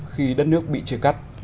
khi đất nước bị chế cắt